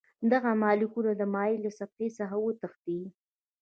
دغه مالیکولونه د مایع له سطحې څخه وتښتي.